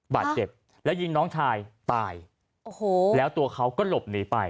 บาดเจ็บแล้วยิงน้องชายตายโอ้โหแล้วตัวเขาก็หลบหนีไป